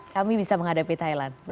kami bisa menghadapi thailand